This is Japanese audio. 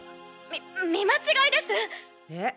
み見間違いです！え？